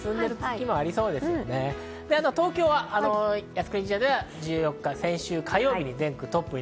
東京は靖国神社では１４日、先週の火曜日に全国トップ。